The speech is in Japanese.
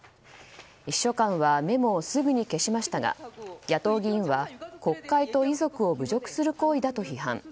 秘書官はメモをすぐに消しましたが野党議員は国会と遺族を侮辱する行為だと批判。